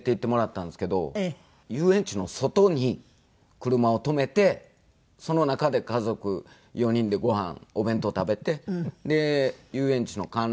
遊園地の外に車を止めてその中で家族４人でご飯お弁当食べてで遊園地の観覧車見たり。